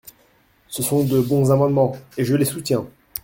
Ce sont de bons amendements et je les soutiens.